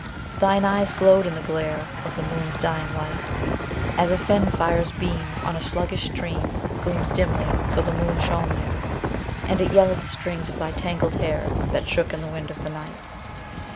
Thine eyes glowed in the glare Of the moon's dying light. As a fen fire's beam On a sluggish stream Gleams dimly, so the moon shone there ; And it yellowed the strings of thy tangled hair, That shook in the wind of night.